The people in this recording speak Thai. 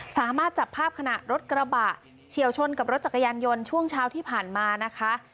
สามารถจับภาพขณะรถกระบะเฉียวชนกับรถจักรยานยนต์ช่วงเช้าที่ผ่านมานะคะ